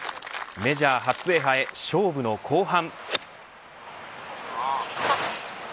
メジャー初制覇へ、勝負の後半。